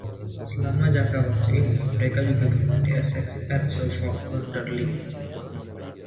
Selama jangka waktu ini, mereka juga bermain di Essex and Suffolk Border League.